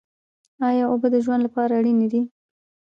ایا اوبه د ژوند لپاره اړینې دي؟